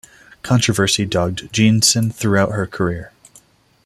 Controversy dogged Jeanson throughout her career.